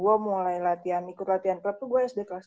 gue mulai latihan ikut latihan klub tuh gue sd kelas tiga